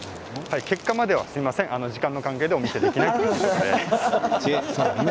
結果まではすみません、時間の関係でお見せできないということで。